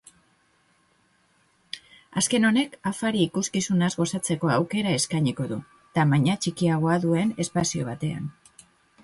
Azken honek afari-ikuskizunaz gozatzeko aukera eskainiko du, tamaina txikiagoa duen espazio batean.